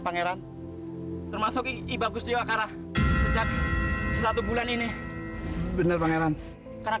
pangeran termasuk ibadah khusyid waqarah sejak satu bulan ini benar pangeran karena